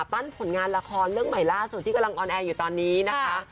ผลงานละครเรื่องใหม่ล่าสุดที่กำลังออนแอร์อยู่ตอนนี้นะคะ